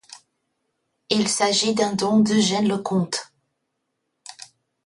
Il s'agit d'un don d'Eugène Lecomte.